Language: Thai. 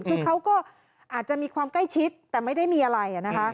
คือเขาก็อาจจะมีความใกล้ชิดแต่ไม่ได้มีอะไรนะคะ